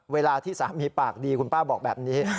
เวลาที่สามีปากดีคุณป้าบอกแบบนี้